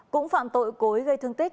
cũng phạm tội cố ý gây thương tích